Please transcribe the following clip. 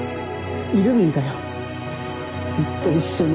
いるんだよずっと一緒に。